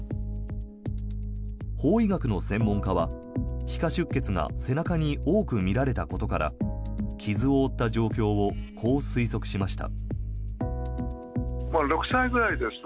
法医学の専門家は皮下出血が背中に多くみられたことから傷を負った状況をこう推測しました。